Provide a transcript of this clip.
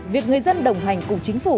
việc người dân đồng hành cùng chính phủ